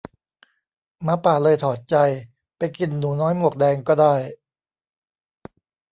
หมาป่าเลยถอดใจ ไปกินหนูน้อยหมวกแดงก็ได้